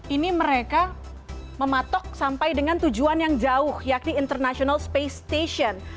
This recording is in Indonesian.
ini mereka mematok sampai dengan tujuan yang jauh yakni international space station